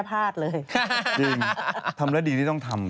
หายไปกี่วันแล้ว